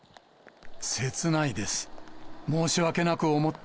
切ないです。